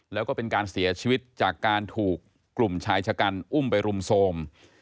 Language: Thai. แล้วก็เป็นการเสียชีวิตจากการถูกกลุ่มชายชะกันอุ้มไปรุมโทรม